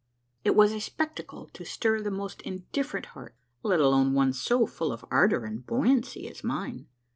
It was a spectacle to stir the most indifferent heart, let alone one so full of ardor and buoyancy as mine.